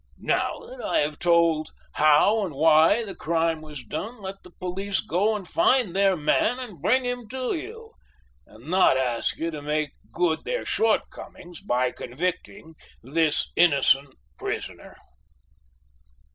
"Now that I have told how and why the crime was done, let the police go and find their man and bring him to you, and not ask you to make good their shortcomings by convicting this innocent prisoner.